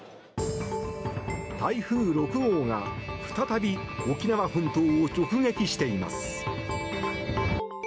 台風６号が再び沖縄本島を直撃しています。